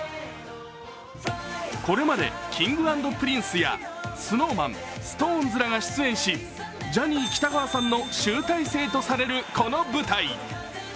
これまで、Ｋｉｎｇ＆ＰｒｉｎｃｅやＳｎｏｗＭａｎ、ＳｉｘＴＯＮＥＳらが出演しジャニー喜多川さんの集大成とされる、この舞台。